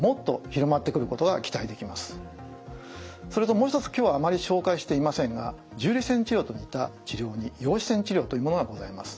それともう一つ今日はあまり紹介していませんが重粒子線治療と似た治療に陽子線治療というものがございます。